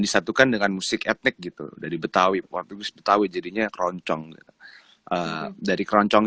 disatukan dengan musik etnik gitu dari betawi portubus betawi jadinya keroncong dari keroncong